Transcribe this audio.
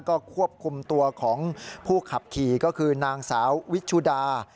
ก็ควบคุมตัวของผู้ขับขี่ก็คือนางสาววิชุดา